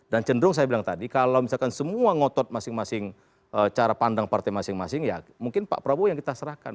dan cenderung saya bilang tadi kalau misalkan semua ngotot masing masing cara pandang partai masing masing ya mungkin pak prabowo yang kita serahkan